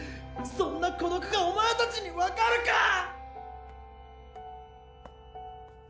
そんな孤独がお前たちに分かるか！